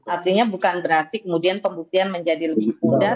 artinya bukan berarti kemudian pembuktian menjadi lebih mudah